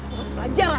mas belajar lah